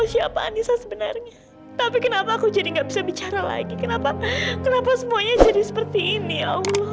sampai jumpa di video selanjutnya